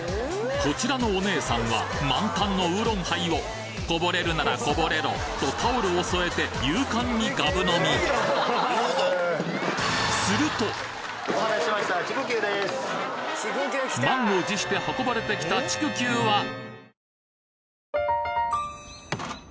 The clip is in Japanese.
こちらのお姉さんは満タンのウーロンハイをこぼれるならこぼれろとタオルを添えて勇敢にガブ飲み満を持して運ばれてきたちくきゅうは！